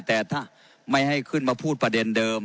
แต่ถ้าไม่ให้ขึ้นมาพูดประเด็นเดิม